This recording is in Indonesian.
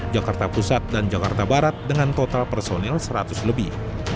jakarta pusat dan jakarta barat dengan total personel seratus lebih